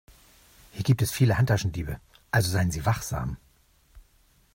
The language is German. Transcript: Hier gibt es viele Handtaschendiebe, also seien Sie wachsam.